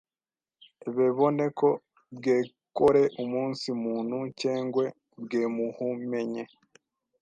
bebone ko bwekore umunsi muntu cyengwe bwemuhumenye.